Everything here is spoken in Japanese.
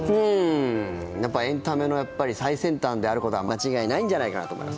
やっぱエンタメのやっぱり最先端であることは間違いないんじゃないかなと思います。